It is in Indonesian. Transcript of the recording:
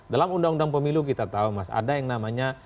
dalam undang undang pemilu kita tahu mas ada yang namanya